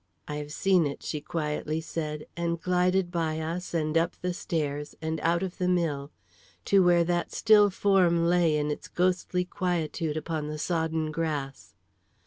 "I have seen it," she quietly said, and glided by us, and up the stairs, and out of the mill to where that still form lay in its ghostly quietude upon the sodden grass.